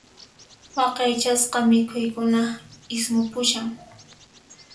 Waqaychasqa mikhuykuna ismupushan.